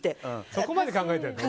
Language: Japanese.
そこまで考えてるんだ